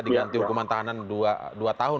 diganti hukuman tahanan dua tahun